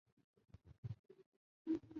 民间相传该建筑为曾国荃后裔所建家祠。